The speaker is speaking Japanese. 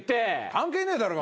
関係ねえだろうが。